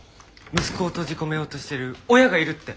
息子を閉じ込めようとしてる親がいるって。